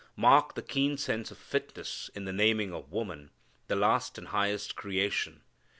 Mark the keen sense of fitness in the naming of woman the last and highest creation.